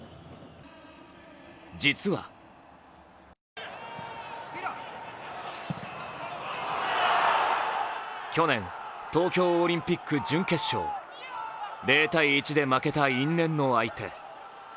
実は去年、東京オリンピック準決勝。０−１で負けた因縁の相手。